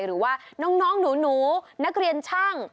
หรือว่าน้องหนูนักเรียนช่าง